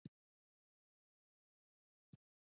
د قبضیت لپاره کوم څاڅکي وکاروم؟